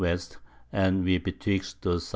W. and we betwixt the S.S.